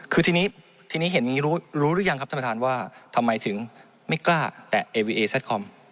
คือทีนี้เห็นรู้หรือยังครับตังแทนว่าทำไมถึงไม่กล้าแต่เอวีเอซทคอม